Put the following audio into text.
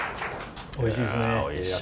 おいしいですね。